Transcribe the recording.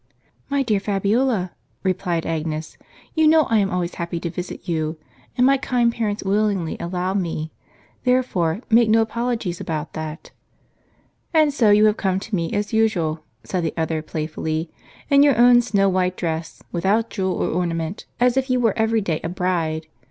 " My dear Fabiola," replied Agnes, "you know I am always happy to visit you, and my kind parents willingly allow me ; therefore, make no apologies about that." " And so you have come to me as usual," said the other playfully, "in your own snow white dress, without jewel or ornament, as if you were every day a bride.